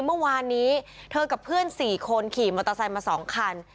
เมื่อวานนี้เธอกับเพื่อน๔คนขี่มอเตอร์ไซค์มา๒คัน